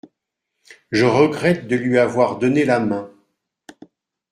Je regrette de lui avoir donné la main.